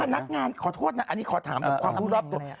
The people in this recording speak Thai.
นักงานขอโทษนะอันนี้ขอถามแบบความรู้รอบตัว